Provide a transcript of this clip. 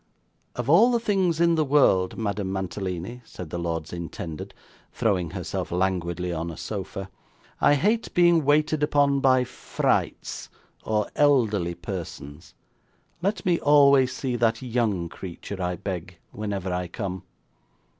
'Of all things in the world, Madame Mantalini,' said the lord's intended, throwing herself languidly on a sofa, 'I hate being waited upon by frights or elderly persons. Let me always see that young creature, I beg, whenever I come.